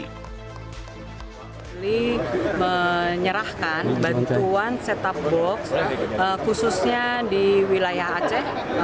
kami menyerahkan bantuan set top box khususnya di wilayah aceh